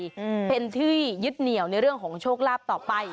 อืมเป็นที่ยึดเหนียวในเรื่องของโชคลาภต่อไป